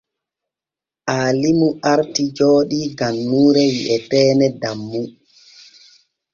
Aalimu arti jooɗii gannuure wi’eteene Dammu.